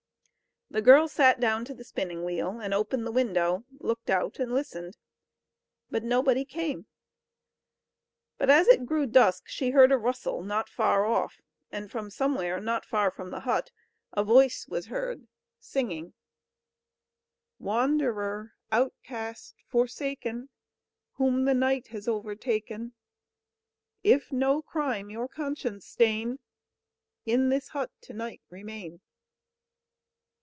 The girl sat down to the spinning wheel, and opened the window, looked out, and listened; but nobody came. [Illustration: THE GOOD LITTLE GIRL IS SENT AWAY] But as it grew dusk she heard a rustle not far off, and from somewhere not far from the hut, a voice was heard, singing: "Wanderer, outcast, forsaken! Whom the night has overtaken; If no crime your conscience stain, In this hut to night remain."